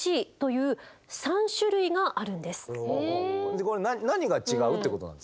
でこれ何が違うってことなんですか？